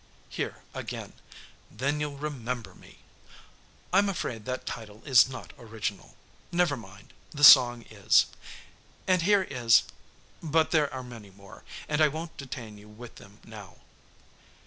Here again: 'Then you'll remember me!' I'm afraid that title is not original; never mind, the song is. And here is but there are many more, and I won't detain you with them now."